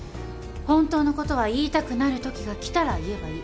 本当のことは言いたくなるときが来たら言えばいい。